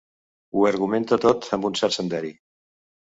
Ho argumenta tot amb un cert senderi.